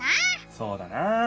そうだな！